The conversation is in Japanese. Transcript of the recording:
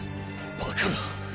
バカな！